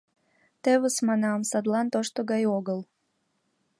— Тевыс, — манам, — садлан тошто гай огыл.